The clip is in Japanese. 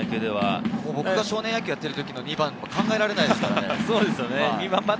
僕が少年野球をやっているような２番からは考えられないですからね。